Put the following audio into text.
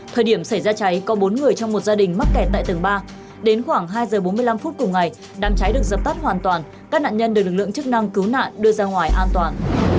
thời điểm xảy ra cháy có bốn người trong một gia đình mắc kẹt tại tầng ba đến khoảng hai giờ bốn mươi năm phút cùng ngày đám cháy được dập tắt hoàn toàn các nạn nhân được lực lượng chức năng cứu nạn đưa ra ngoài an toàn